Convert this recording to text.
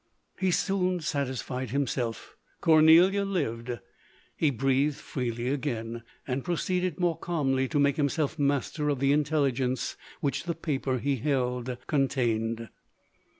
He soon satisfied himself — Cornelia lived : he breathed freely again, and proceeded more calmly to make himself master of the intelli gence which the paper he held contained.